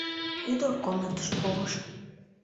Ӱдыр комнатыш пурыш